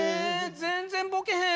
全然ボケへん。